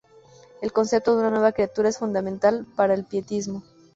El concepto de una nueva criatura es fundamental para el pietismo.